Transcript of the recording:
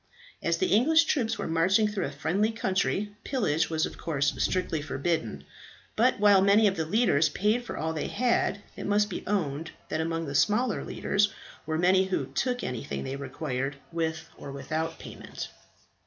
As the English troops were marching through a friendly country, pillage was of course strictly forbidden; but while many of the leaders paid for all they had, it must be owned that among the smaller leaders were many who took anything that they required with or without payment.